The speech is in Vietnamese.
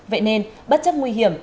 vậy nên bất chấp nguy hiểm